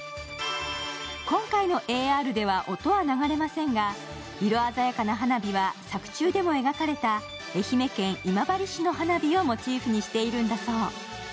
今回のＡＲでは音は流れませんが、色鮮やかな花火は作中でも描かれた愛媛県今治市の花火をモチーフにしているんだそう。